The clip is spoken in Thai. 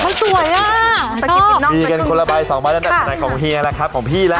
เฮ้ยสวยอ่ะชอบมีกันคนละใบ๒บาทตัดสนัยของเฮียล่ะครับของพี่ล่ะ